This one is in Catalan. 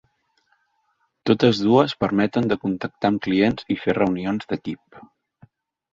Totes dues permeten de contactar amb clients i fer reunions d’equip.